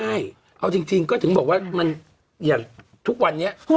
ใช่เอาจริงก็ถึงบอกว่ามันอย่างทุกวันนี้